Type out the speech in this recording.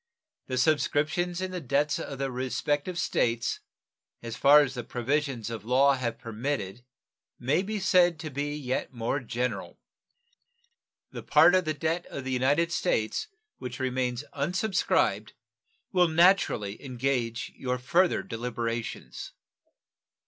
The subscriptions in the debts of the respective States as far as the provisions of the law have permitted may be said to be yet more general. The part of the debt of the United States which remains unsubscribed will naturally engage your further deliberations.